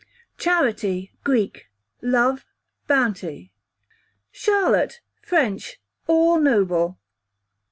Charity, Greek, love, bounty. Charlotte, French, all noble.